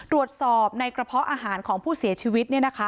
ตรวจสอบในกระเพาะอาหารของผู้เสียชีวิต